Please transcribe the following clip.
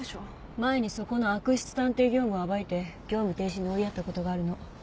前にそこの悪質探偵業務を暴いて業務停止に追いやったことがあるの。